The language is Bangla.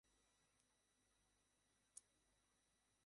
একটু রিভাইস দিচ্ছিলাম আরকি।